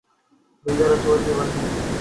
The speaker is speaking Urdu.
دیگر اصول بھی وہی ہیں۔